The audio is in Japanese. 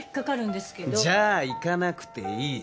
じゃあ行かなくていい。